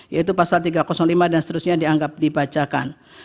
yaitu pasal tiga ratus lima dan seterusnya dianggap dibacakan